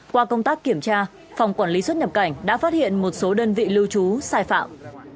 qua công tác kiểm tra phòng quản lý xuất nhập cảnh đã phát hiện một số đơn vị lưu trú sai phạm